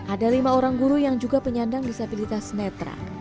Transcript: ada lima orang guru yang juga penyandang disabilitas netra